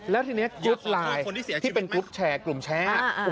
แล้วทีนี้ยึดไลน์ที่เป็นกรุ๊ปแชร์กลุ่มแชร์